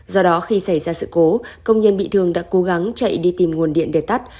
do đó khi xảy ra sự cố công nhân bị thương đã cố gắng chạy đi tìm nguồn điện để tắt